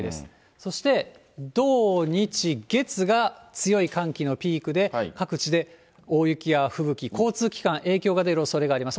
そして土、日、月が強い寒気のピークで、各地で大雪や吹雪、交通機関、影響が出るおそれがあります。